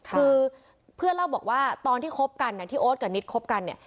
คือเพื่อนเล่าบอกว่าตอนที่คบกันที่โอ๊ตกับนิดคบกันเนี่ย